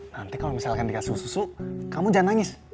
nanti kalau misalkan dikasih susu kamu jangan nangis